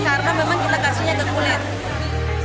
karena memang kita kasihnya ke kulit